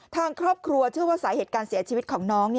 ทางครอบครัวเชื่อว่าสาเหตุการเสียชีวิตของน้อง